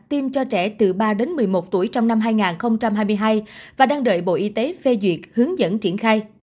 tiêm cho trẻ từ ba đến một mươi một tuổi trong năm hai nghìn hai mươi hai và đang đợi bộ y tế phê duyệt hướng dẫn triển khai